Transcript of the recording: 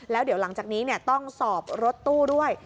แล้วเดี๋ยวหลังจากนี้ต้องสอบรถตู้ด้วย